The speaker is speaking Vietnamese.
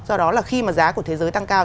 do đó là khi mà giá của thế giới tăng cao